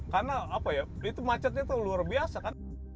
karena apa ya itu macetnya tuh luar biasa kan